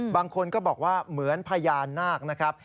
บางคนก็บอกว่าเหมือนพญานาคนะครับ